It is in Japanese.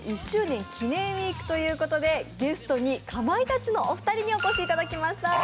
１周年記念ウィークということでゲストにかまいたちのお二人にお越しいただきました。